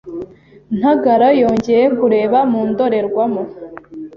Ntagara yongeye kureba mu ndorerwamo.